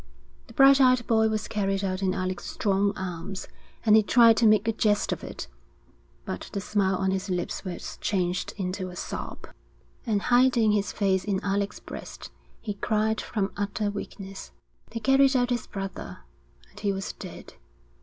The bright eyed boy was carried out in Alec's strong arms, and he tried to make a jest of it; but the smile on his lips was changed into a sob, and hiding his face in Alec's breast, he cried from utter weakness. They carried out his brother, and he was dead.